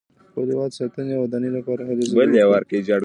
د خپل هېواد ساتنې او ودانۍ لپاره هلې ځلې وکړو.